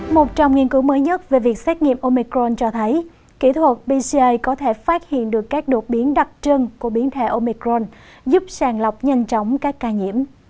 một trong nghiên cứu mới nhất về việc xét nghiệm omicron cho thấy kỹ thuật bca có thể phát hiện được các đột biến đặc trưng của biến thể omicron giúp sàng lọc nhanh chóng các ca nhiễm